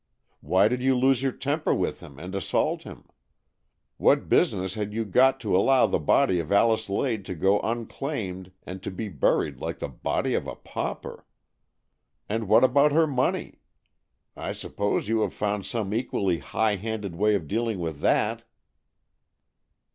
Why did you lose your temper with him and assault him ? What business had you got to allow the body of Alice Lade to go un claimed and to be buried like the body of a pauper? And what about her money? I suppose you have found some equally high handed way of dealing with that.